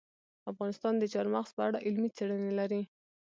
افغانستان د چار مغز په اړه علمي څېړنې لري.